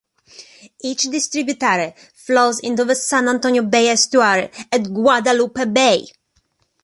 Each distributary flows into the San Antonio Bay estuary at Guadalupe Bay.